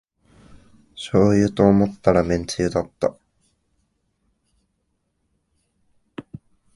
しょうゆと思ったらめんつゆだった